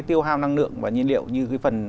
tiêu hao năng lượng và nhiên liệu như cái phần